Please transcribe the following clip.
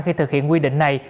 khi thực hiện quy định này